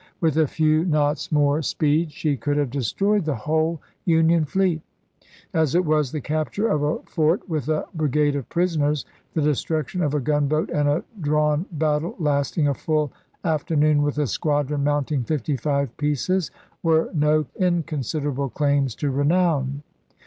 With a few knots more speed she could have destroyed the whole Union fleet ; as it was, the capture of a fort with a brigade of prisoners, the destruction of a gunboat, and a drawn battle lasting a full after noon with a squadron mounting 55 pieces, were no inconsiderable claims to renown.